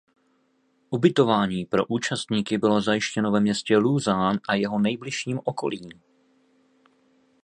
Ubytování pro účastníky bylo zajištěno ve městě Lausanne a jeho nejbližším okolí.